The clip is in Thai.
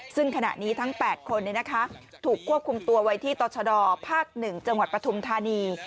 ซึ่งขณะนี้ทั้ง๘คนถูกควบคุมตัวไว้ที่ตรชดภาค๑จังหวัดปฐุมธานี